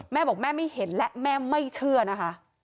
แม่บอกแม่ไม่เห็นและแม่ไม่เชื่อนะคะ